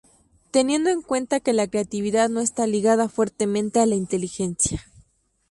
Teniendo en cuenta que la creatividad no está ligada fuertemente a la inteligencia.